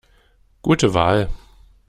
Gute Wahl!